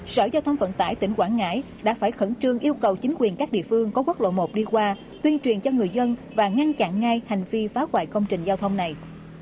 sở giao thông vận tải tỉnh quảng ngãi đã phải khẩn trương yêu cầu chính quyền các địa phương có quốc lộ một đi qua tuyên truyền cho người dân và ngăn chặn ngay hành vi phá hoại công trình giao thông này